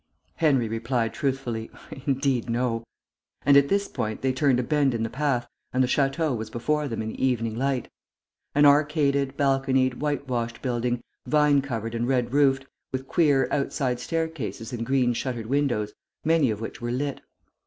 Henry replied truthfully, "Indeed, no," and at this point they turned a bend in the path and the château was before them in the evening light; an arcaded, balconied, white washed building, vine covered and red roofed, with queer outside staircases and green shuttered windows, many of which were lit.